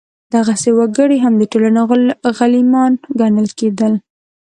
دغسې وګړي هم د ټولنې غلیمان ګڼل کېدل.